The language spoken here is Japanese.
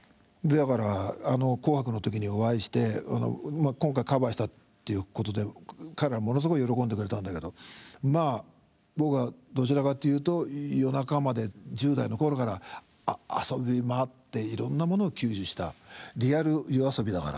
だからあの「紅白」の時にお会いして今回カバーしたっていうことで彼らはものすごい喜んでくれたんだけどまあ僕はどちらかっていうと夜中まで１０代の頃から遊びまわっていろんなものを吸収したアハハハハハ。